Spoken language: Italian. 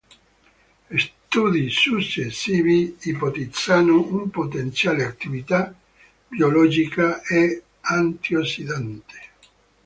Studi successivi ipotizzano un potenziale attività biologica e antiossidante.